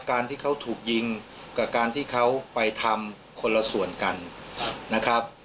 การที่เขาถูกยิงกับการที่เขาไปทำคนละส่วนกันนะครับ